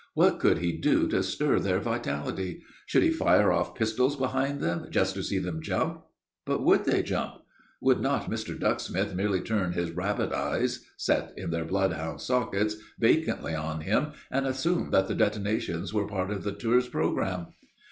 What could he do to stir their vitality? Should he fire off pistols behind them, just to see them jump? But would they jump? Would not Mr. Ducksmith merely turn his rabbit eyes, set in their bloodhound sockets, vacantly on him, and assume that the detonations were part of the tour's programme?